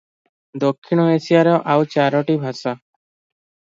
ଦକ୍ଷିଣ ଏସିଆର ଆଉ ଚାରୋଟି ଭାଷା ।